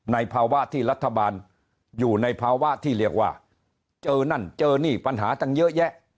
ภาวะที่รัฐบาลอยู่ในภาวะที่เรียกว่าเจอนั่นเจอนี่ปัญหาตั้งเยอะแยะ